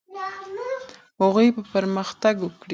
هغوی به پرمختګ کړی وي.